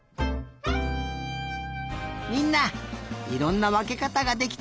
みんないろんなわけかたができたね。